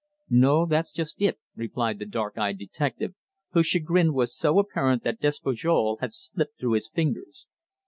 "No. That's just it," replied the dark eyed detective, whose chagrin was so apparent that Despujol had slipped through his fingers.